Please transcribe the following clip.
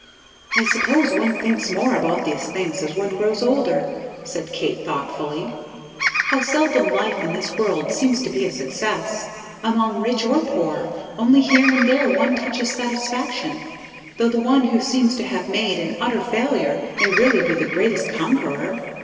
"I suppose one thinks more about these things as one grows older," said Kate, thoughtfully. "How seldom life in this world seems to be a success! Among rich or poor only here and there one touches satisfaction, though the one who seems to have made an utter failure may really be the greatest conqueror.